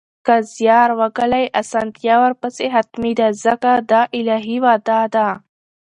که زیار وګالئ، اسانتیا ورپسې حتمي ده ځکه دا الهي وعده ده